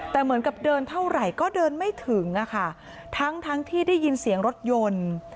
แต่เหมือนกับเดินเท่าไหร่ก็เดินไม่ถึงอะค่ะทั้งทั้งที่ได้ยินเสียงรถยนต์